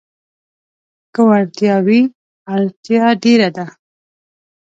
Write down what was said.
که وړتيا وي، اړتيا ډېره ده.